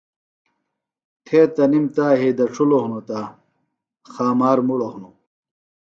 تھےۡ تنِم تا یھئیۡ دڇھِلوۡ ہِنوۡ تہ خامار مُڑوۡ ہِنوۡ